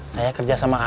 saya kerja sama alvin